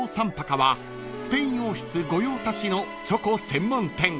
［スペイン王室御用達のチョコ専門店］